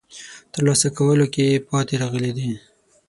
ترلاسه کولو کې پاتې راغلي دي.